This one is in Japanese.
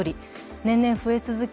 年々増え続け